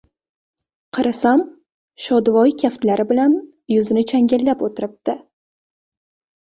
Qarasam, Shodivoy kaftlari bilan yuzini changallab o‘tiribdi.